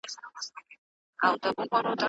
هغه د کابل د خلکو لارښوونه ومنله.